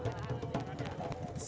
di atas cuman ada jalan yang menarik